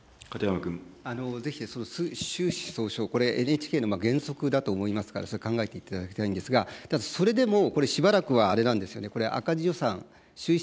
ぜひ収支相償、これ、ＮＨＫの原則だと思いますから、それ、考えていただきたいんですが、ただ、それでも、しばらくはあれなんですよね、これ、赤字予算、収支